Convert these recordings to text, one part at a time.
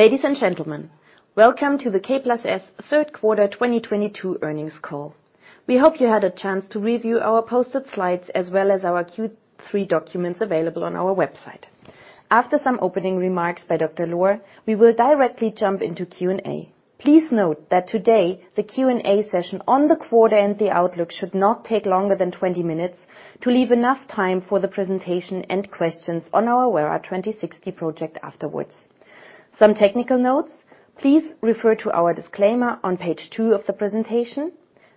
Ladies and gentlemen, welcome to the K+S Q3 2022 Earnings Call. We hope you had a chance to review our posted slides as well as our Q3 documents available on our website. After some opening remarks by Dr. Lohr, we will directly jump into Q&A. Please note that today the Q&A session on the quarter and the outlook should not take longer than 20 minutes to leave enough time for the presentation and questions on our Werra 2060 project afterwards. Some technical notes. Please refer to our disclaimer on page 2 of the presentation.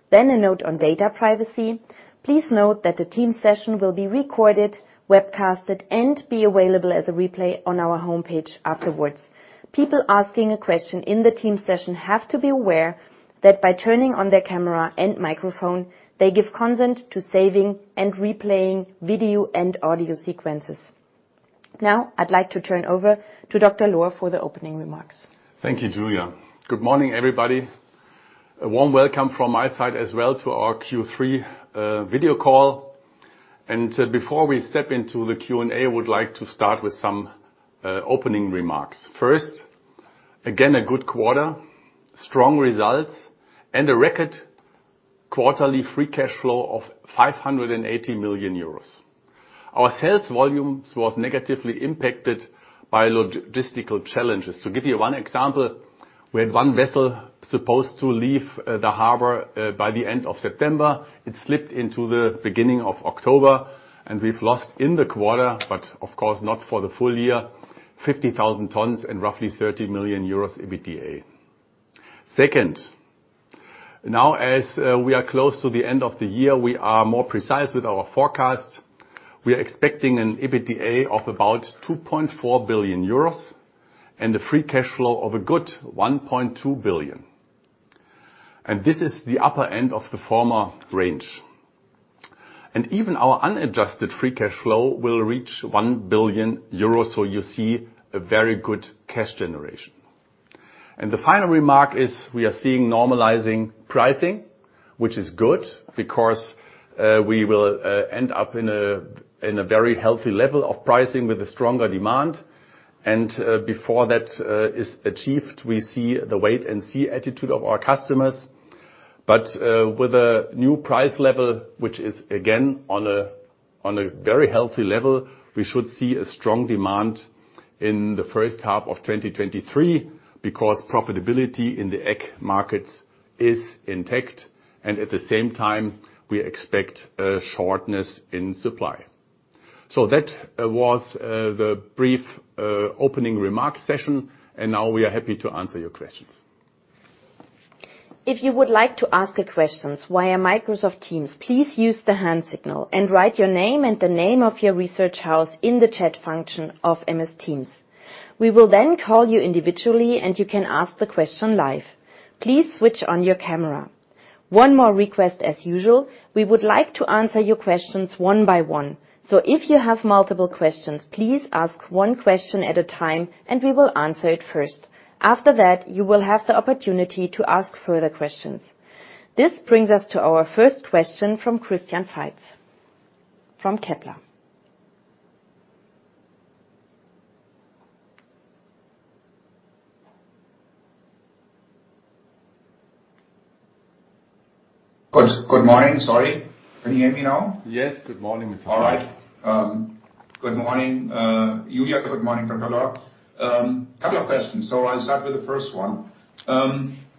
Then a note on data privacy. Please note that the Teams session will be recorded, webcast, and be available as a replay on our homepage afterwards. People asking a question in the team session have to be aware that by turning on their camera and microphone, they give consent to saving and replaying video and audio sequences. Now I'd like to turn over to Dr. Lohr for the opening remarks. Thank you, Julia. Good morning, everybody. A warm welcome from my side as well to our Q3 video call. Before we step into the Q&A, I would like to start with some opening remarks. First, again, a good quarter, strong results, and a record quarterly free cash flow of 580 million euros. Our sales volumes was negatively impacted by logistical challenges. To give you one example, we had one vessel supposed to leave the harbor by the end of September. It slipped into the beginning of October, and we've lost in the quarter, but of course not for the full year, 50,000 tons and roughly 30 million euros EBITDA. Second, now as we are close to the end of the year, we are more precise with our forecasts. We are expecting an EBITDA of about 2.4 billion euros and a free cash flow of a good 1.2 billion. This is the upper end of the former range. Even our unadjusted free cash flow will reach 1 billion euros, so you see a very good cash generation. The final remark is we are seeing normalizing pricing, which is good because we will end up in a very healthy level of pricing with a stronger demand. Before that is achieved, we see the wait and see attitude of our customers. With a new price level, which is again on a very healthy level, we should see a strong demand in the first half of 2023 because profitability in the ag markets is intact, and at the same time, we expect a shortage in supply. That was the brief opening remarks session, and now we are happy to answer your questions. If you would like to ask a question via Microsoft Teams, please use the hand signal and write your name and the name of your research house in the chat function of MS Teams. We will then call you individually, and you can ask the question live. Please switch on your camera. One more request as usual. We would like to answer your questions one by one. If you have multiple questions, please ask one question at a time, and we will answer it first. After that, you will have the opportunity to ask further questions. This brings us to our first question from Christian Faitz from Kepler Cheuvreux. Good morning. Sorry. Can you hear me now? Yes. Good morning, Mr. Faitz. All right. Good morning, Julia. Good morning, Dr. Lohr. Couple of questions. I'll start with the first one.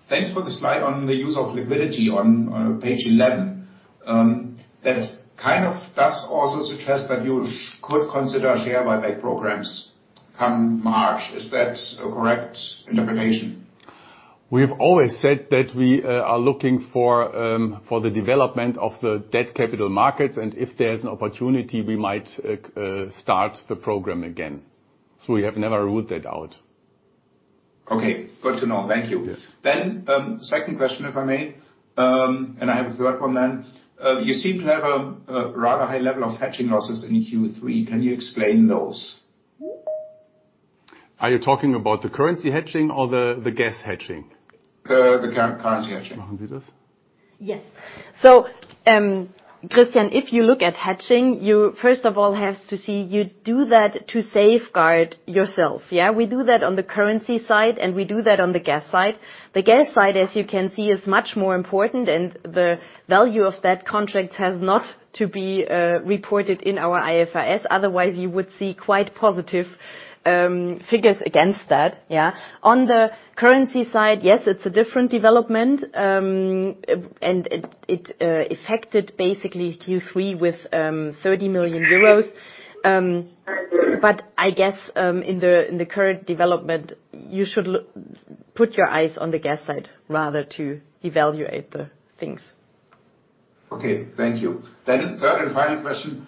Thanks for the slide on the use of liquidity on page 11. That kind of does also suggest that you could consider a share buyback programs come March. Is that a correct interpretation? We've always said that we are looking for the development of the debt capital markets, and if there's an opportunity, we might start the program again. We have never ruled that out. Okay. Good to know. Thank you. Yes. Second question, if I may, and I have a third one then. You seem to have a rather high level of hedging losses in Q3. Can you explain those? Are you talking about the currency hedging or the gas hedging? The currency hedging. Yes. Christian, if you look at hedging, you first of all have to see you do that to safeguard yourself, yeah? We do that on the currency side, and we do that on the gas side. The gas side, as you can see, is much more important, and the value of that contract has not to be reported in our IFRS. Otherwise, you would see quite positive figures against that, yeah? On the currency side, yes, it's a different development, and it affected basically Q3 with 30 million euros. But I guess, in the current development, you should put your eyes on the gas side rather to evaluate the things. Okay. Thank you. Third and final question.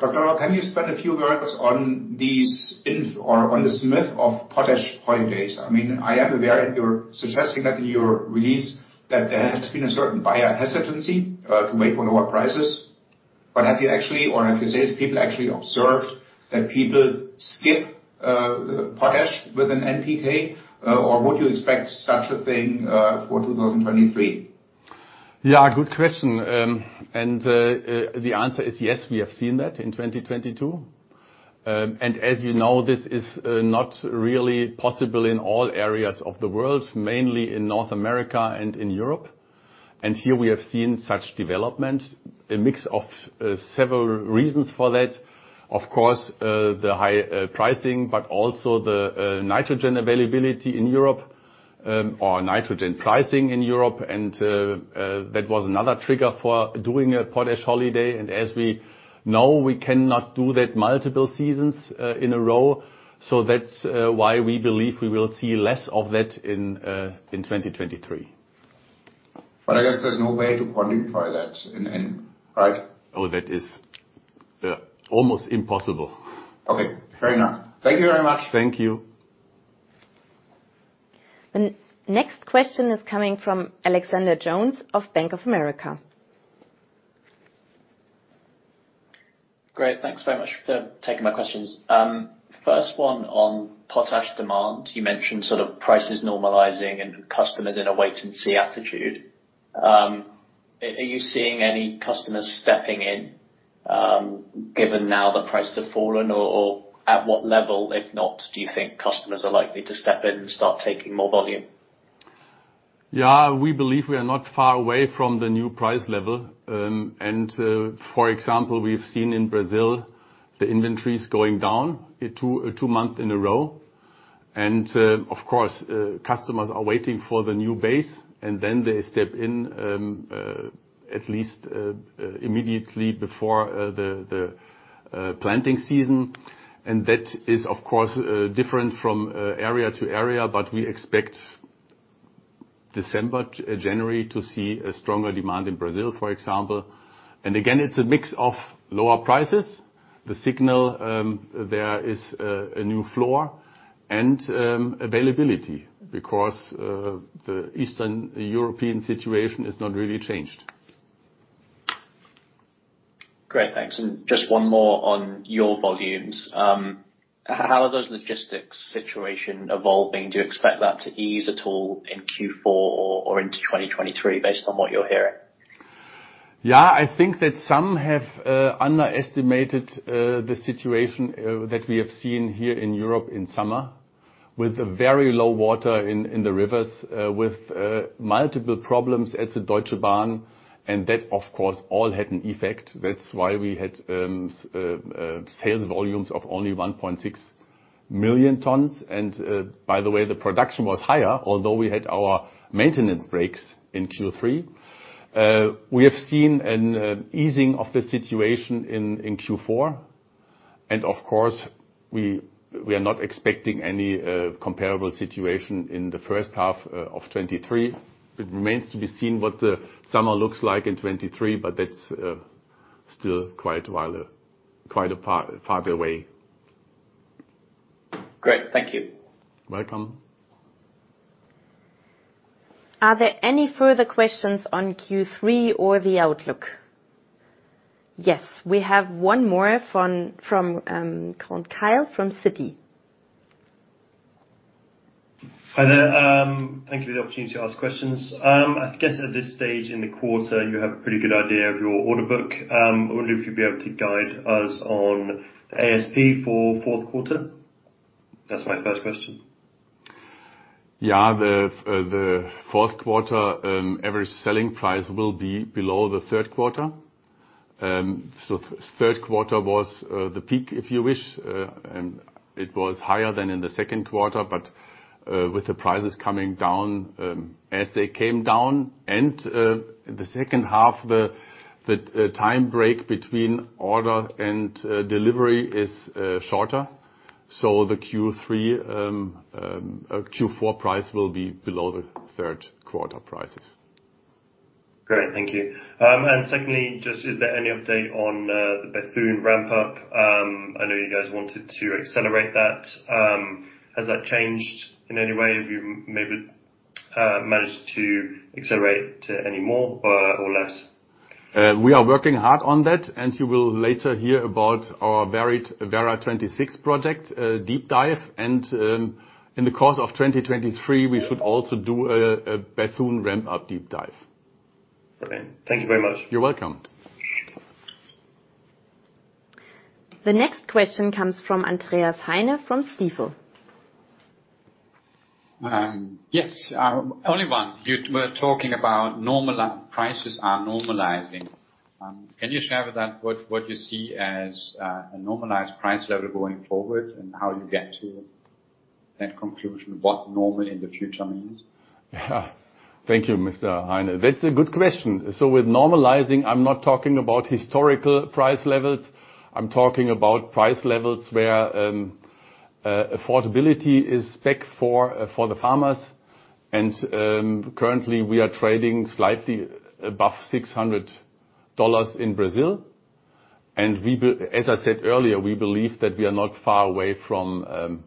Dr. Lohr, can you spend a few words on this myth of potash holiday? I mean, I am aware you're suggesting that in your release that there has been a certain buyer hesitancy to wait for lower prices. Have you actually or have your sales people actually observed that people skip potash with an NPK, or would you expect such a thing for 2023? Yeah, good question. The answer is yes, we have seen that in 2022. As you know, this is not really possible in all areas of the world, mainly in North America and in Europe. Here we have seen such development. A mix of several reasons for that. Of course, the high pricing, but also the nitrogen availability in Europe, or nitrogen pricing in Europe and that was another trigger for doing a potash holiday. As we know, we cannot do that multiple seasons in a row. That's why we believe we will see less of that in 2023. I guess there's no way to quantify that in. Right? Oh, that is, almost impossible. Okay, fair enough. Thank you very much. Thank you. The next question is coming from Alexander Jones of Bank of America. Great. Thanks very much for taking my questions. First one on potash demand. You mentioned sort of prices normalizing and customers in a wait and see attitude. Are you seeing any customers stepping in, given now the price have fallen or at what level, if not, do you think customers are likely to step in and start taking more volume? Yeah. We believe we are not far away from the new price level. For example, we've seen in Brazil the inventories going down two months in a row. Of course, customers are waiting for the new base and then they step in at least immediately before the planting season. That is, of course, different from area to area. But we expect December, January to see a stronger demand in Brazil, for example. Again, it's a mix of lower prices, the signal there is a new floor and availability because the Eastern European situation has not really changed. Great, thanks. Just one more on your volumes. How are those logistics situation evolving? Do you expect that to ease at all in Q4 or into 2023 based on what you're hearing? Yeah. I think that some have underestimated the situation that we have seen here in Europe in summer, with very low water in the rivers, with multiple problems at the Deutsche Bahn. That, of course, all had an effect. That's why we had sales volumes of only 1.6 million tons. By the way, the production was higher, although we had our maintenance breaks in Q3. We have seen an easing of the situation in Q4. Of course, we are not expecting any comparable situation in the first half of 2023. It remains to be seen what the summer looks like in 2023, but that's still quite a while, quite a far away. Great. Thank you. Welcome. Are there any further questions on Q3 or the outlook? Yes, we have one more from Kyle from Citi. Hi there. Thank you for the opportunity to ask questions. I guess at this stage in the quarter, you have a pretty good idea of your order book. I wonder if you'd be able to guide us on the ASP for fourth quarter? That's my first question. Yeah. The fourth quarter average selling price will be below the third quarter. Third quarter was the peak, if you wish. It was higher than in the second quarter. With the prices coming down as they came down in the second half, the timeframe between order and delivery is shorter. The Q4 price will be below the third quarter prices. Great, thank you. Secondly, just is there any update on the Bethune ramp-up? I know you guys wanted to accelerate that. Has that changed in any way? Have you maybe managed to accelerate any more or less? We are working hard on that, and you will later hear about our Werra 2060 project deep dive. In the course of 2023, we should also do a Bethune ramp-up deep dive. Okay. Thank you very much. You're welcome. The next question comes from Andreas Heine from Stifel. Yes. Only one. You were talking about prices are normalizing. Can you share what you see as a normalized price level going forward and how you get to that conclusion, what normal in the future means? Thank you, Mr. Heine. That's a good question. With normalizing, I'm not talking about historical price levels. I'm talking about price levels where affordability is back for the farmers. Currently, we are trading slightly above $600 in Brazil. We, as I said earlier, we believe that we are not far away from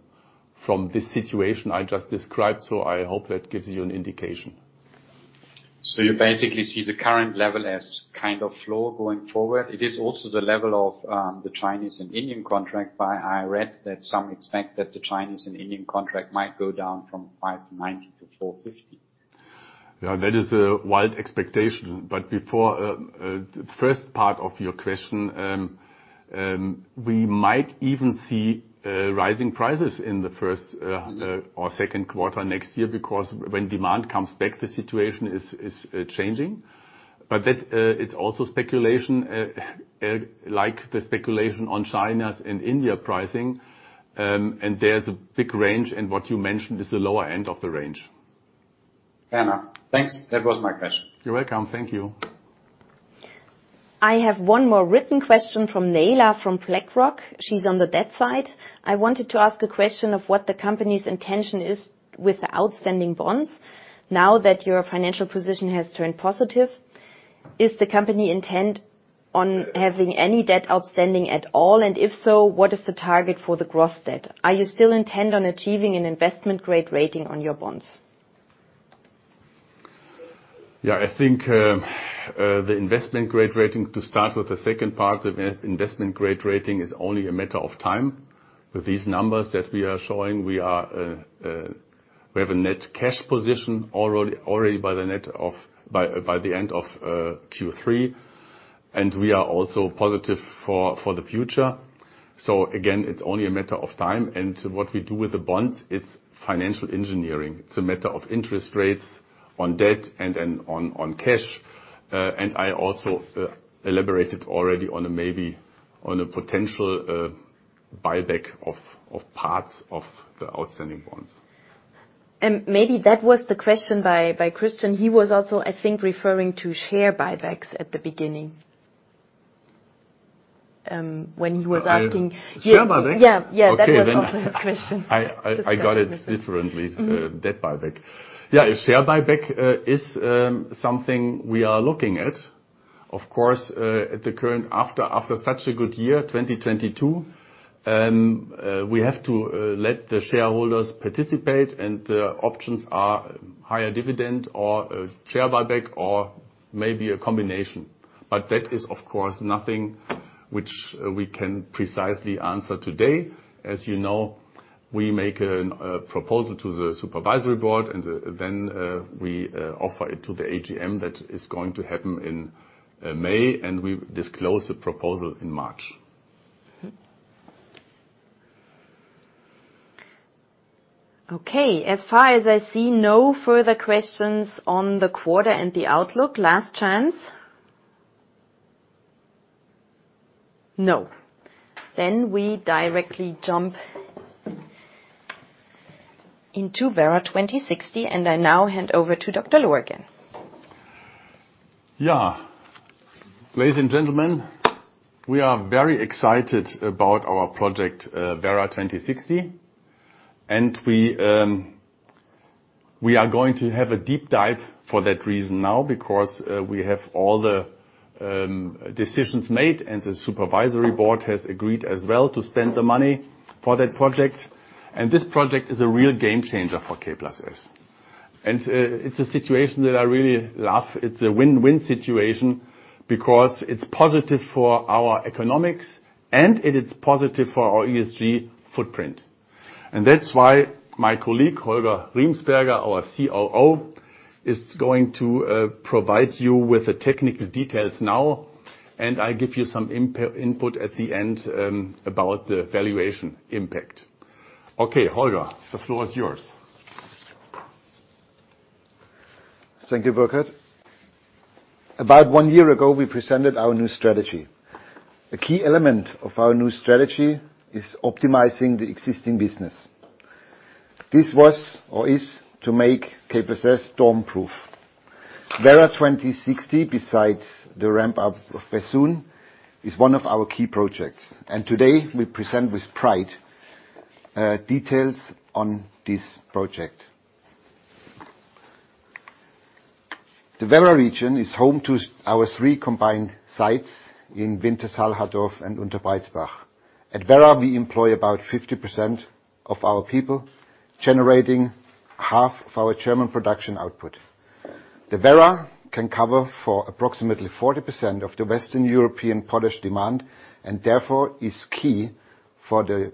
this situation I just described. I hope that gives you an indication. You basically see the current level as kind of floor going forward. It is also the level of the Chinese and Indian contract, but I read that some expect that the Chinese and Indian contract might go down from $590 to $450. Yeah, that is a wild expectation. Before first part of your question, we might even see rising prices in the first or second quarter next year because when demand comes back, the situation is changing. That, it's also speculation like the speculation on China's and India pricing. There's a big range, and what you mentioned is the lower end of the range. Fair enough. Thanks. That was my question. You're welcome. Thank you. I have one more written question from Nayla from BlackRock. She's on the debt side. I wanted to ask a question of what the company's intention is with the outstanding bonds now that your financial position has turned positive. Is the company intent on having any debt outstanding at all? If so, what is the target for the gross debt? Are you still intent on achieving an investment-grade rating on your bonds? Yeah. I think the investment-grade rating, to start with the second part of it, investment-grade rating is only a matter of time. With these numbers that we are showing, we have a net cash position already by the end of Q3, and we are also positive for the future. It's only a matter of time. What we do with the bonds is financial engineering. It's a matter of interest rates on debt and then on cash. I also elaborated already maybe on a potential buyback of parts of the outstanding bonds. Maybe that was the question by Christian. He was also, I think, referring to share buybacks at the beginning, when he was asking- Share buybacks? Yeah. Yeah. Okay. That was also the question. I got it differently. Mm-hmm. Debt buyback. Share buyback is something we are looking at. Of course, after such a good year, 2022, we have to let the shareholders participate, and the options are higher dividend or a share buyback or maybe a combination. That is, of course, nothing which we can precisely answer today. As you know, we make a proposal to the supervisory board, and then we offer it to the AGM that is going to happen in May, and we disclose the proposal in March. Okay. As far as I see, no further questions on the quarter and the outlook. Last chance. No. We directly jump into Werra 2060, and I now hand over to Dr. Lohr again. Yeah. Ladies and gentlemen, we are very excited about our project, Werra 2060, and we are going to have a deep dive for that reason now because we have all the decisions made, and the supervisory board has agreed as well to spend the money for that project. This project is a real game changer for K+S. It's a situation that I really love. It's a win-win situation because it's positive for our economics, and it is positive for our ESG footprint. That's why my colleague, Holger Riemensperger, our COO, is going to provide you with the technical details now, and I give you some input at the end about the valuation impact. Okay, Holger, the floor is yours. Thank you, Burkhard. About one year ago, we presented our new strategy. A key element of our new strategy is optimizing the existing business. This was or is to make K+S storm-proof. Werra 2060, besides the ramp up of Bethune, is one of our key projects. Today, we present with pride details on this project. The Werra region is home to our three combined sites in Wintershall, Hattorf, and Unterbreizbach. At Werra, we employ about 50% of our people, generating half of our German production output. The Werra can cover for approximately 40% of the Western European potash demand, and therefore, is key for the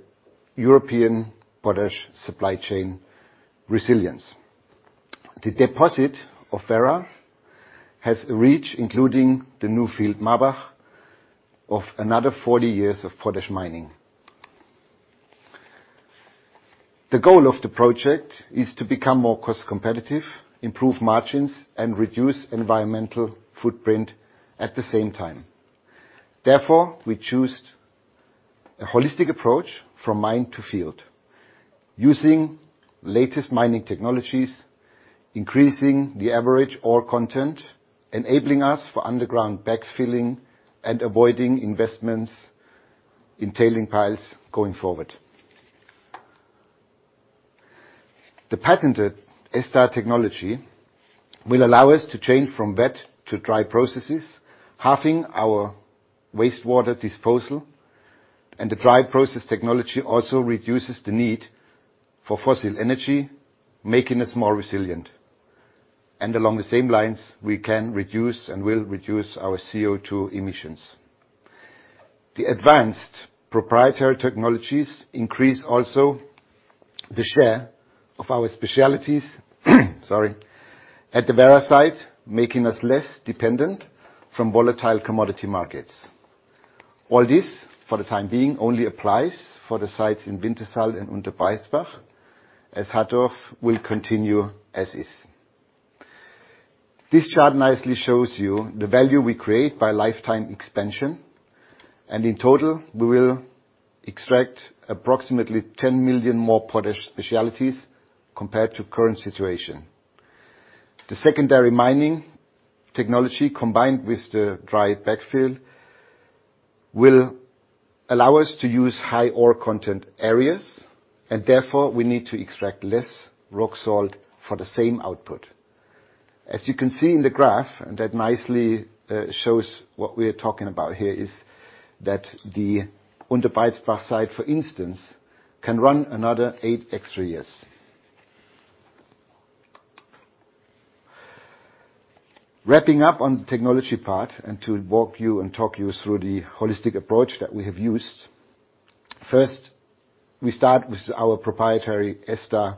European potash supply chain resilience. The deposit of Werra has a reach, including the new field, Marbach, of another 40 years of potash mining. The goal of the project is to become more cost competitive, improve margins, and reduce environmental footprint at the same time. Therefore, we choose a holistic approach from mine to field using latest mining technologies, increasing the average ore content, enabling us for underground backfilling and avoiding investments in tailings piles going forward. The patented ESTA technology will allow us to change from wet to dry processes, halving our wastewater disposal, and the dry process technology also reduces the need for fossil energy, making us more resilient. Along the same lines, we can reduce and will reduce our CO2 emissions. The advanced proprietary technologies increase also the share of our specialties, sorry, at the Werra site, making us less dependent from volatile commodity markets. All this, for the time being, only applies for the sites in Wintershall and Unterbreizbach, as Hattorf will continue as is. This chart nicely shows you the value we create by lifetime expansion. In total, we will extract approximately 10 million more potash specialties compared to current situation. The secondary mining technology, combined with the dry backfill, will allow us to use high ore content areas, and therefore we need to extract less rock salt for the same output. As you can see in the graph, that nicely shows what we're talking about here, is that the Unterbreizbach site, for instance, can run another eight extra years. Wrapping up on the technology part, to walk you and talk you through the holistic approach that we have used, first, we start with our proprietary ESTA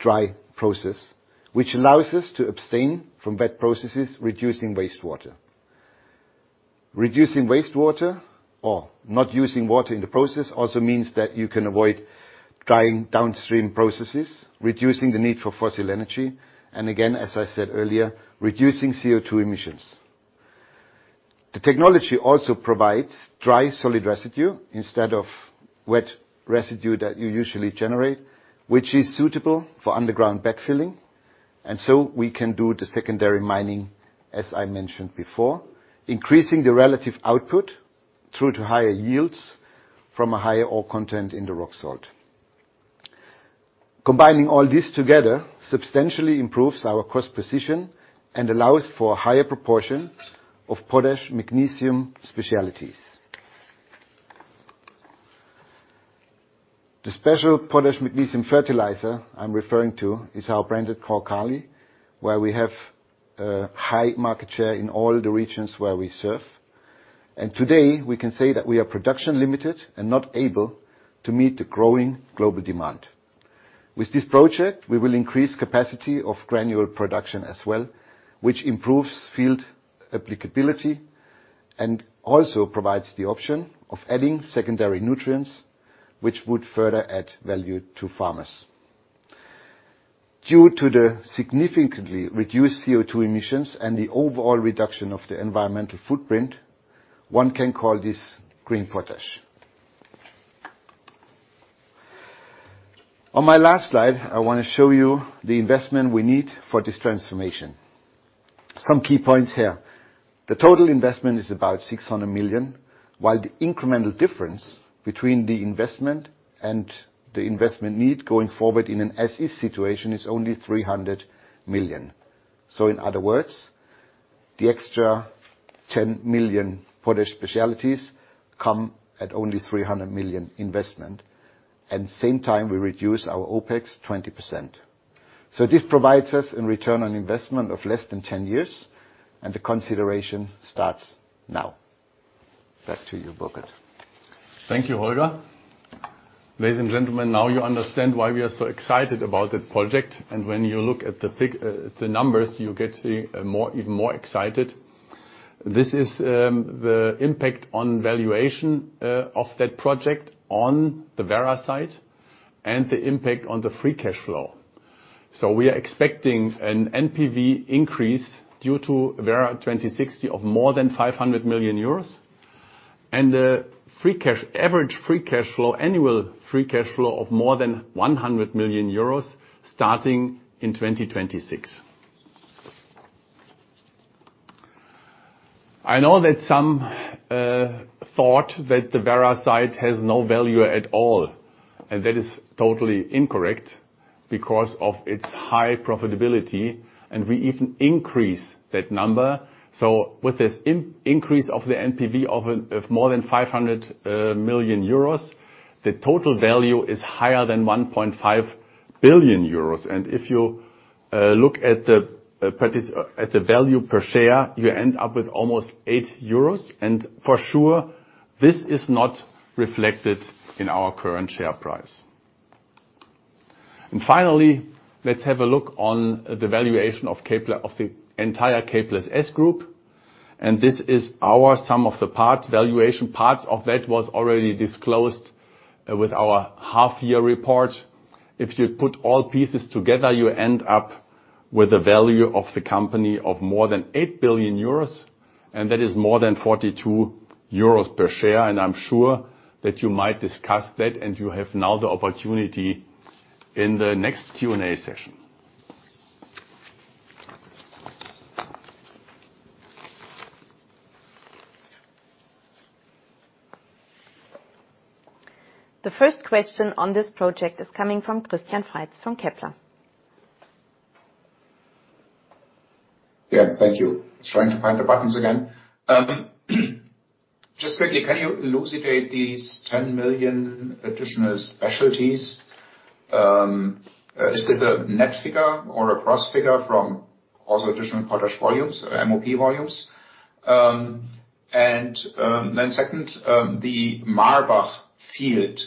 dry process, which allows us to abstain from wet processes, reducing wastewater. Reducing wastewater or not using water in the process also means that you can avoid drying downstream processes, reducing the need for fossil energy, and again, as I said earlier, reducing CO2 emissions. The technology also provides dry, solid residue instead of wet residue that you usually generate, which is suitable for underground backfilling, and so we can do the secondary mining, as I mentioned before, increasing the relative output through to higher yields from a higher ore content in the rock salt. Combining all this together substantially improves our cost position and allows for a higher proportion of potash magnesium specialities. The special potash magnesium fertilizer I'm referring to is our branded Korn-Kali, where we have a high market share in all the regions where we serve. Today, we can say that we are production limited and not able to meet the growing global demand. With this project, we will increase capacity of granular production as well, which improves field applicability and also provides the option of adding secondary nutrients, which would further add value to farmers. Due to the significantly reduced CO2 emissions and the overall reduction of the environmental footprint, one can call this green potash. On my last slide, I wanna show you the investment we need for this transformation. Some key points here. The total investment is about 600 million, while the incremental difference between the investment and the investment need going forward in an as-is situation is only 300 million. In other words, the extra 10 million potash specialties come at only 300 million investment. At the same time, we reduce our OPEX 20%. This provides us a return on investment of less than 10 years, and the construction starts now. Back to you, Burkhard. Thank you, Holger. Ladies and gentlemen, now you understand why we are so excited about the project. When you look at the numbers, you get even more excited. This is the impact on valuation of that project on the Werra site and the impact on the free cash flow. We are expecting an NPV increase due to Werra 2060 of more than 500 million euros, and average free cash flow, annual free cash flow of more than 100 million euros starting in 2026. I know that some thought that the Werra site has no value at all, and that is totally incorrect because of its high profitability, and we even increase that number. With this increase of the NPV of more than 500 million euros, the total value is higher than 1.5 billion euros. If you look at the value per share, you end up with almost 8 euros. For sure, this is not reflected in our current share price. Finally, let's have a look on the valuation of K+S of the entire K+S Group. This is our sum-of-the-parts valuation that was already disclosed with our half-year report. If you put all pieces together, you end up with a value of the company of more than 8 billion euros, and that is more than 42 euros per share. I'm sure that you might discuss that, and you have now the opportunity in the next Q&A session. The first question on this project is coming from Christian Faitz from Kepler. Yeah, thank you. Trying to find the buttons again. Just quickly, can you elucidate these 10 million additional specialties? Is this a net figure or a gross figure from also additional potash volumes, MOP volumes? Second, the Marbach field,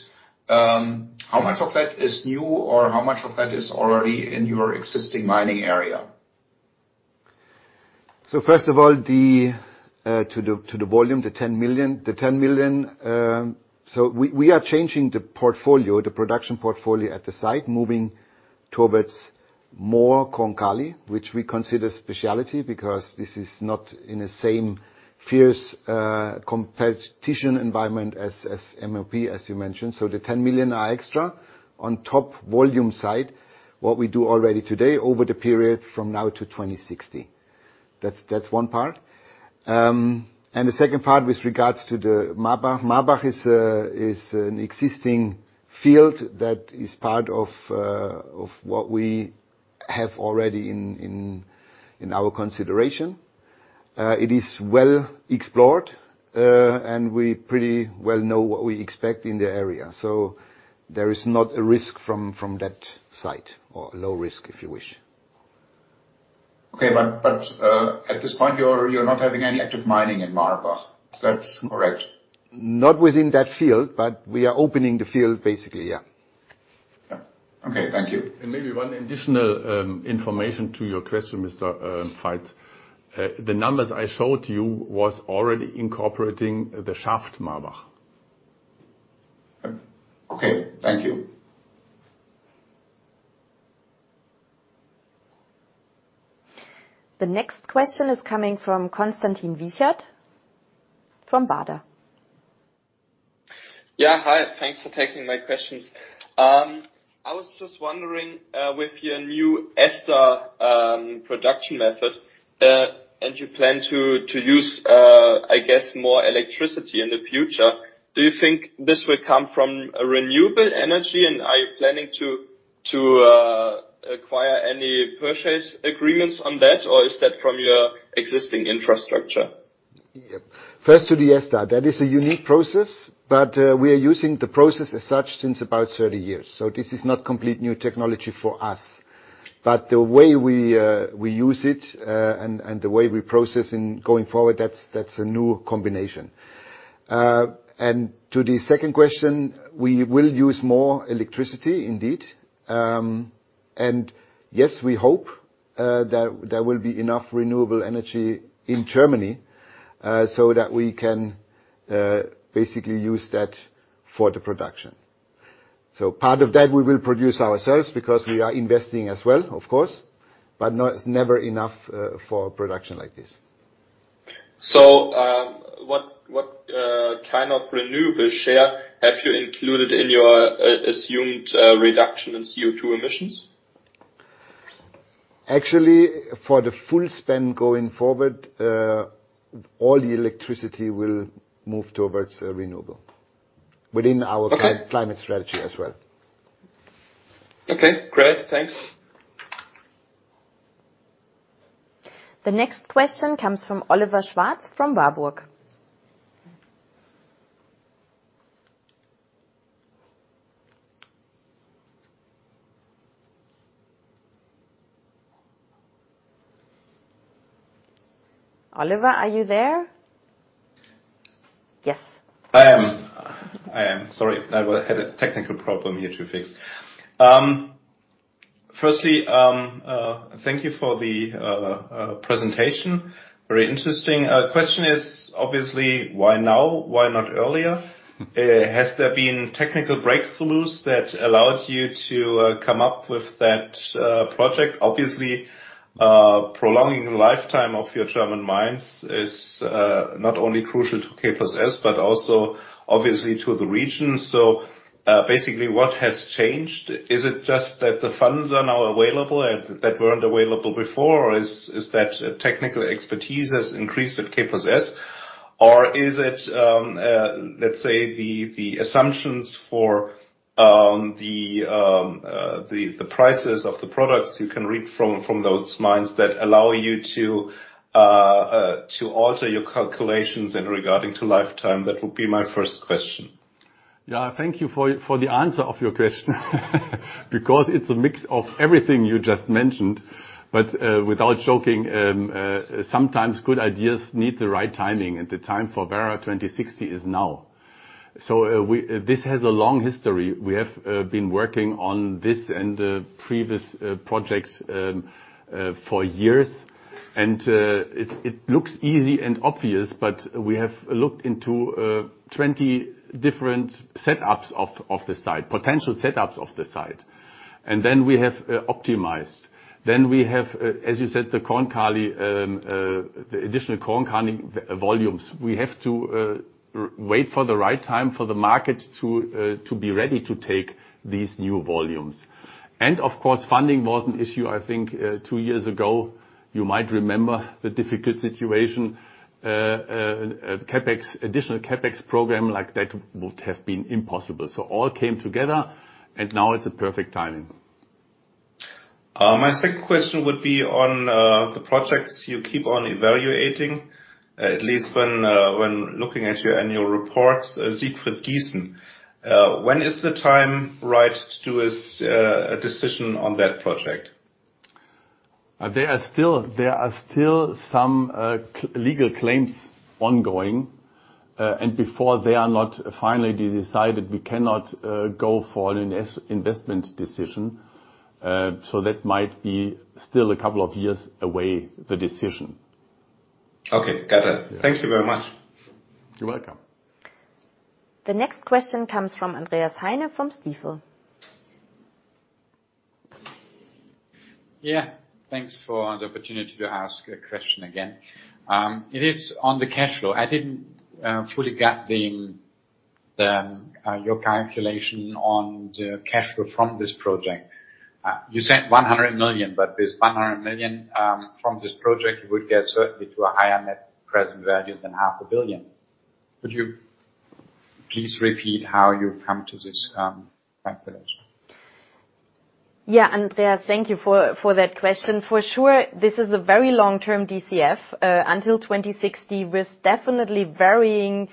how much of that is new or how much of that is already in your existing mining area? First of all, to the volume, the 10 million. The 10 million, we are changing the portfolio, the production portfolio at the site, moving towards more Korn-Kali, which we consider specialty because this is not in the same fierce competition environment as MOP, as you mentioned. The 10 million are extra on top volume side, what we do already today over the period from now to 2060. That's one part. The second part with regards to the Marbach. Marbach is an existing field that is part of what we have already in our consideration. It is well explored, and we pretty well know what we expect in the area. There is not a risk from that site, or low risk, if you wish. Okay. At this point, you're not having any active mining in Marbach. That's correct? Not within that field, but we are opening the field, basically, yeah. Okay, thank you. Maybe one additional information to your question, Mr. Faitz. The numbers I showed you was already incorporating the shaft Marbach. Okay. Thank you. The next question is coming from Konstantin Wiechert from Baader. Yeah, hi. Thanks for taking my questions. I was just wondering, with your new ESTA production method, and you plan to use, I guess more electricity in the future, do you think this will come from a renewable energy? Are you planning to acquire any purchase agreements on that, or is that from your existing infrastructure? Yep. First to the ESTA. That is a unique process, but we are using the process as such since about 30 years. This is not completely new technology for us. The way we use it, and the way we process it going forward, that's a new combination. To the second question, we will use more electricity indeed. Yes, we hope there will be enough renewable energy in Germany, so that we can basically use that for the production. Part of that we will produce ourselves because we are investing as well, of course, but no, it's never enough for production like this. What kind of renewable share have you included in your assumed reduction in CO2 emissions? Actually, for the full spend going forward, all the electricity will move towards renewable within our- Okay. Climate strategy as well. Okay, great. Thanks. The next question comes from Oliver Schwarz, from Warburg. Oliver, are you there? Yes. I am. Sorry, I had a technical problem here to fix. Firstly, thank you for the presentation. Very interesting. Question is obviously why now? Why not earlier? Has there been technical breakthroughs that allowed you to come up with that project? Obviously, prolonging the lifetime of your German mines is not only crucial to K+S, but also obviously to the region. Basically, what has changed? Is it just that the funds are now available and that weren't available before? Or is that technical expertise has increased at K+S? Or is it, let's say, the assumptions for the prices of the products you can reap from those mines that allow you to alter your calculations and regarding to lifetime? That would be my first question. Yeah. Thank you for the answer to your question. Because it's a mix of everything you just mentioned. Without joking, sometimes good ideas need the right timing, and the time for Werra 2060 is now. This has a long history. We have been working on this and previous projects for years. It looks easy and obvious, but we have looked into 20 different setups of the site, potential setups of the site. We have optimized. We have, as you said, the Korn-Kali, the additional Korn-Kali volumes. We have to wait for the right time for the market to be ready to take these new volumes. Of course, funding was an issue, I think, two years ago. You might remember the difficult situation. CapEx, additional CapEx program like that would have been impossible. All came together and now it's a perfect timing. My second question would be on the projects you keep on evaluating, at least when looking at your annual reports, Siegfried-Giesen. When is the time right to make a decision on that project? There are still some legal claims ongoing. Before they are not finally decided, we cannot go for an investment decision. That might be still a couple of years away, the decision. Okay. Got it. Yeah. Thank you very much. You're welcome. The next question comes from Andreas Heine from Stifel. Yeah. Thanks for the opportunity to ask a question again. It is on the cash flow. I didn't fully get your calculation on the cash flow from this project. You said 100 million, but this 100 million from this project, you would get certainly to a higher net present value than EUR half a billion. Could you please repeat how you come to this calculation? Yeah. Andreas, thank you for that question. For sure, this is a very long-term DCF until 2060, with definitely varying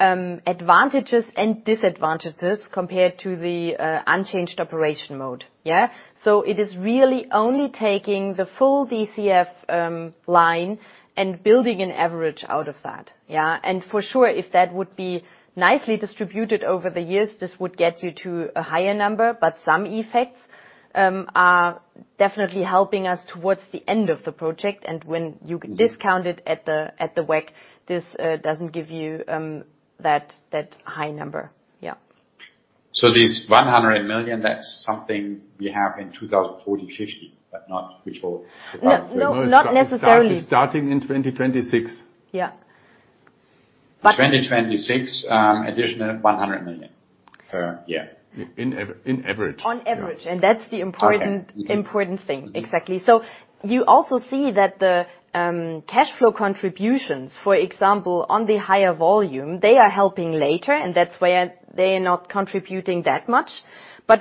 advantages and disadvantages compared to the unchanged operation mode. Yeah? It is really only taking the full DCF line and building an average out of that. Yeah? For sure, if that would be nicely distributed over the years, this would get you to a higher number. Some effects are definitely helping us towards the end of the project. When you discount it at the WACC, this doesn't give you that high number. Yeah. These 100 million, that's something we have in 2040-50, but not before 2050. No, not necessarily. Starting in 2026. Yeah. 2026, additional 100 million per year. In average. On average. Yeah. That's the important- Okay. Important thing. Mm-hmm. Exactly. You also see that the cashflow contributions, for example, on the higher volume, they are helping later, and that's why they're not contributing that much.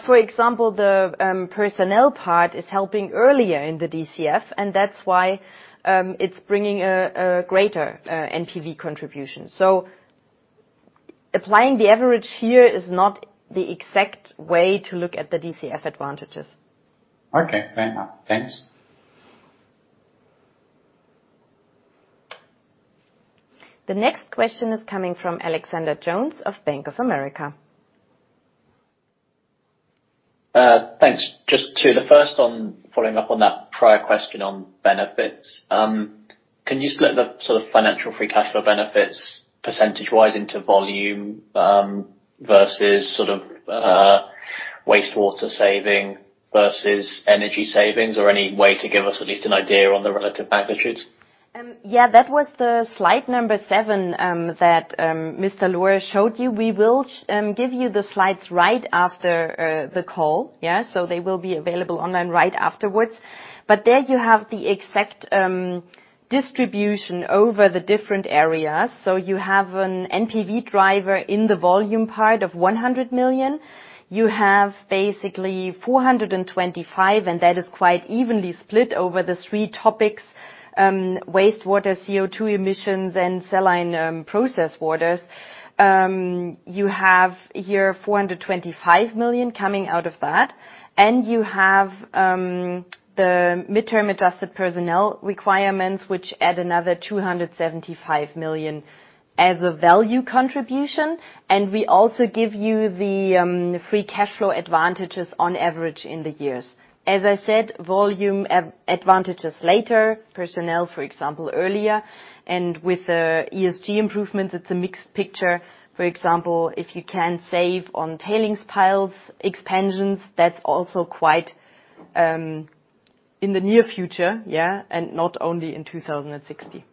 For example, the personnel part is helping earlier in the DCF, and that's why it's bringing a greater NPV contribution. Applying the average here is not the exact way to look at the DCF advantages. Okay. Fair enough. Thanks. The next question is coming from Alexander Jones of Bank of America. Thanks. Just two. The first on following up on that prior question on benefits. Can you split the sort of financial free cash flow benefits percentage-wise into volume, versus sort of, wastewater saving versus energy savings? Or any way to give us at least an idea on the relative magnitudes? Yeah, that was the slide number 7 that Mr. Lohr showed you. We will give you the slides right after the call. Yeah? They will be available online right afterwards. There you have the exact distribution over the different areas. You have an NPV driver in the volume part of 100 million. You have basically 425, and that is quite evenly split over the three topics, wastewater, CO2 emissions, and saline process waters. You have here 425 million coming out of that. You have the midterm adjusted personnel requirements, which add another 275 million as a value contribution. We also give you the free cash flow advantages on average in the years. As I said, volume advantages later, personnel, for example, earlier. With the ESG improvements, it's a mixed picture. For example, if you can save on tailings piles expansions, that's also quite in the near future, yeah, and not only in 2060.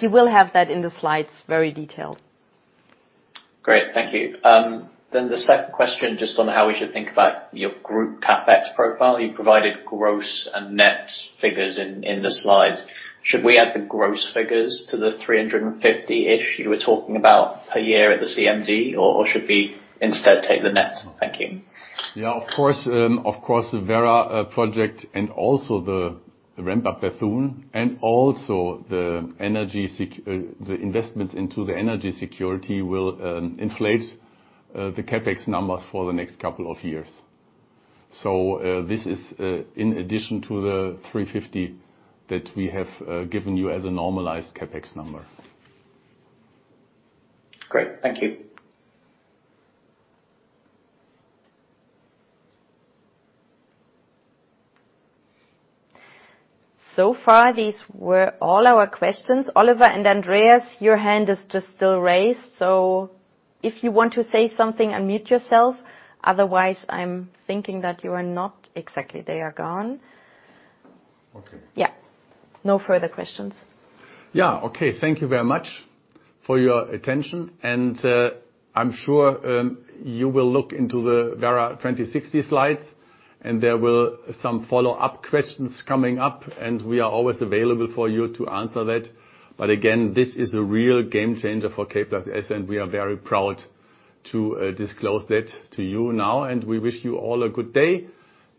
You will have that in the slides very detailed. Great. Thank you. The second question, just on how we should think about your group CapEx profile. You provided gross and net figures in the slides. Should we add the gross figures to the 350-ish you were talking about per year at the CMD? Or should we instead take the net? Thank you. Yeah, of course. Of course, the Werra project and also the ramp-up of Bethune, and also the investment into the energy security will inflate the CapEx numbers for the next couple of years. This is in addition to the 350 that we have given you as a normalized CapEx number. Great. Thank you. Far, these were all our questions. Oliver and Andreas, your hand is just still raised, so if you want to say something, unmute yourself. Otherwise, I'm thinking that you are not. Exactly, they are gone. Okay. Yeah. No further questions. Yeah. Okay. Thank you very much for your attention. I'm sure you will look into the Werra 2060 slides, and there will be some follow-up questions coming up, and we are always available for you to answer that. Again, this is a real game changer for K+S, and we are very proud to disclose that to you now. We wish you all a good day.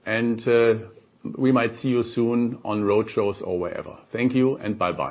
We might see you soon on roadshows or wherever. Thank you, and bye-bye.